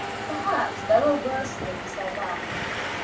Perhaps there were worse things than that.